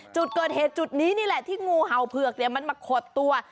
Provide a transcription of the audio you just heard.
จุดเกิดเหตุจุดนี้นี่แหละที่งูเห่าเผือกมันมาขดตัว